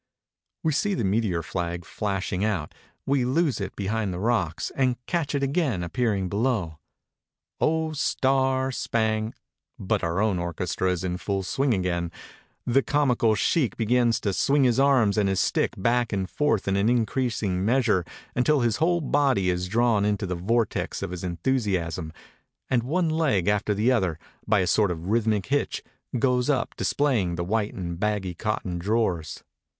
We see the meteor flag flashing out, we lose it behind the rocks, and catch it again appearing below. "Oh, star spang" — but our own orchestra is in full swing again. The comical sheikh begins to swing his arms and his stick back and forth in an increasing measure, until his whole body is drawn into the vortex of his enthusiasm, and one leg after the other, by a sort of rhythmic hitch, goes up displaying the white and baggy cotton drawers.